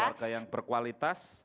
keluarga yang berkualitas